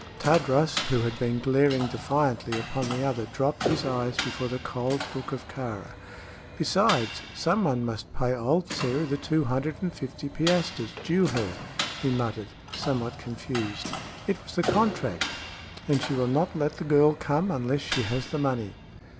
Tadros, who had been glaring defiantly upon the other, dropped his eyes before the cold look of Kāra. "Besides, some one must pay old Sĕra the two hundred and fifty piastres due her," he muttered, somewhat confused. "It was the contract, and she will not let the girl come unless she has the money."